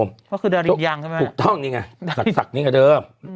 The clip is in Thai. ก็คือดาริยังใช่ไหมถูกต้องนี่ไงสักนี่กันเดิม